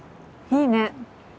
いいね。